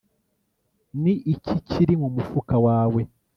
Ni iki kiri mu mufuka wawe